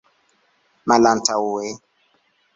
malantaŭe